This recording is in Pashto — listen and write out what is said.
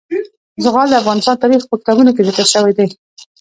زغال د افغان تاریخ په کتابونو کې ذکر شوی دي.